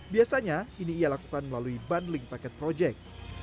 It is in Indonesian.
biasanya ini ia lakukan melalui bundling paket project